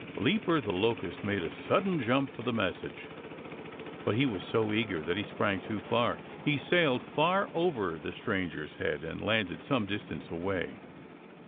Leaper the Locust made a sudden jump for the message. But he was so eager that he sprang too far. He sailed far over the stranger's head and landed some distance away.